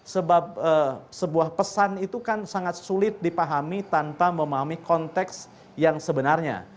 sebab sebuah pesan itu kan sangat sulit dipahami tanpa memahami konteks yang sebenarnya